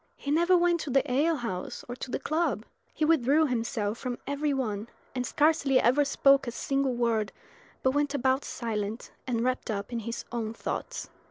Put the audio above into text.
He never went to the ale house or to the club. He withdrew himself from every one, and scarcely ever spoke a single word, but went about silent and wrapped up in his own thoughts.